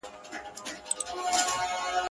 د مودو ستړي ته دي يواري خنــدا وكـړه تـه.